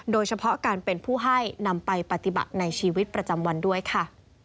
โดยเฉพาะการเป็นผู้ให้นำไปปฏิบัติในชีวิตประจำวันด้วยค่ะ